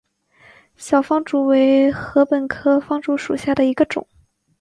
小方竹为禾本科方竹属下的一个种。